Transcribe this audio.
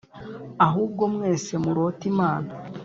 ahubwo mwese murote imana